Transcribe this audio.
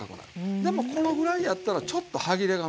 でもこのぐらいやったらちょっと歯切れが残る。